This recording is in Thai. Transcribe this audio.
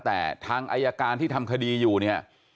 แต่ทางอายการที่ทำคดีอยู่เนี่ย